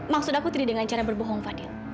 maksud aku tidak dengan cara berbohong fadil